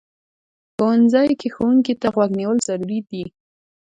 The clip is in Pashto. ښوونځی کې ښوونکي ته غوږ نیول ضروري دي